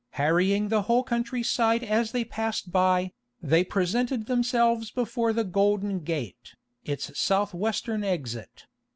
Harrying the whole country side as they passed by, they presented themselves before the "Golden Gate," its south western exit.